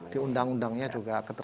di undang undangnya juga